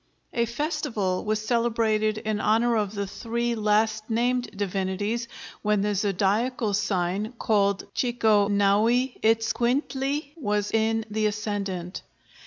A festival was celebrated in honor of the three last named divinities when the zodiacal sign called chiconaui itzcuintli was in the ascendant.